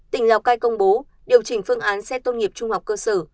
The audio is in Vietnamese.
tỉnh lào cai công bố điều chỉnh phương án xét tốt nghiệp trung học cơ sở